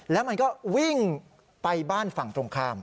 แล้วมันก็วิ่งไปบ้านฝั่งตรงข้าม